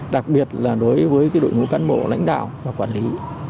đặc biệt là đối với đội ngũ cán bộ lãnh đạo và quản lý